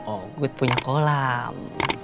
ogut punya kolam